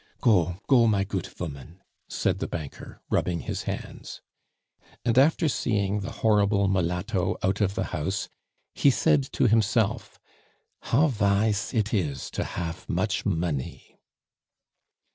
"Go, go, my goot voman," said the banker, rubbing his hands. And after seeing the horrible mulatto out of the house, he said to himself: "How vise it is to hafe much money."